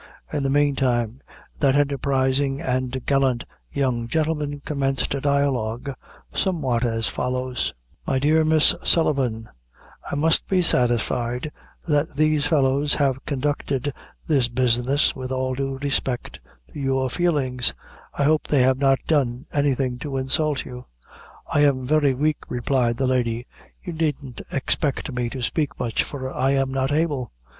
In the meantime, that enterprising and gallant young gentleman commenced a dialogue, somewhat as follows: "My dear Miss Sullivan, I must be satisfied that these fellows have conducted this business with all due respect to your feelings, I hope they have not done anything to insult you." "I am very weak," replied the lady; "you needn't expect me to spake much, for I'm not able.